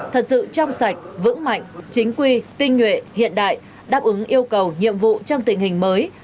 thật sự trong sạch vững mạnh chính quy tinh nhuệ hiện đại đáp ứng yêu cầu nhiệm vụ trong tình hình mới